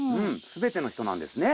すべての人なんですね。